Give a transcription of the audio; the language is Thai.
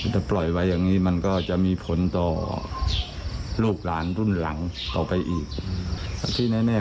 ถ้าปล่อยไว้อย่างนี้มันก็จะมีผลต่อลูกหลานรุ่นหลังต่อไปอีกที่แน่